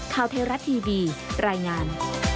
ข้าวเทราะห์ทีวีรายงาน